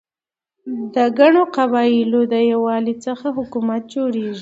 د ګڼو قبایلو د یووالي څخه حکومت جوړيږي.